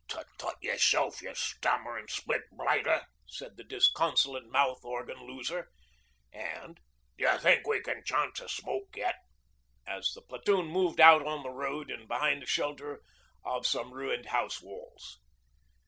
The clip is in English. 'Tutt tutt yourself, you stammer an' spit blighter,' said the disconsolate mouth organ loser, and 'D'you think we can chance a smoke yet?' as the platoon moved out on the road and behind the shelter of some ruined house walls.